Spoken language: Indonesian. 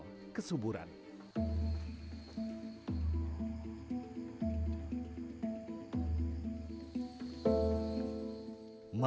dan dipersembahkan sebagai kesuburan